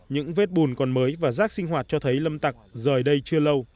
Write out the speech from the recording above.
những vết bùn còn mới và rác sinh hoạt